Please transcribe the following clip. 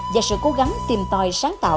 và sự cố gắng tìm tòi sáng tạo